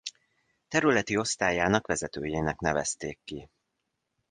Területi Osztályának vezetőjének nevezték ki.